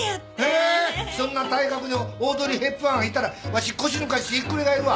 へえそんな体格のオードリー・ヘプバーンがいたらわし腰抜かしてひっくり返るわ。